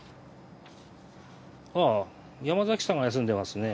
ああ山崎さんが休んでますね。